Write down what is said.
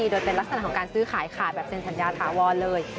โดยเป็นลักษณะของการซื้อขายขายแบบเซ็นสัญญาถาวรเลย